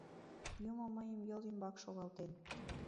Юмо мыйым йол ӱмбак шогалтен.